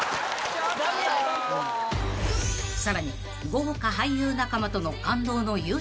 ［さらに豪華俳優仲間との］